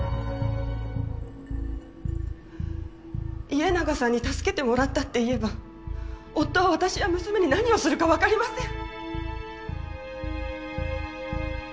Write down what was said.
家長さんに助けてもらったって言えば夫は私や娘に何をするかわかりません。